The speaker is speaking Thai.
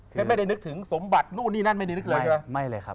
เพชรไม่ได้นึกถึงสมบัตินู่นนี่นั่นไม่ได้นึกเลยใช่ไหม